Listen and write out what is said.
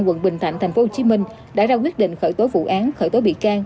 quận bình thạnh tp hcm đã ra quyết định khởi tối vụ án khởi tối bị can